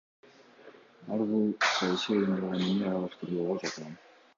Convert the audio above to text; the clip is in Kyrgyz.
Ар кыл саясий оюндарга мени аралаштырбоого чакырам.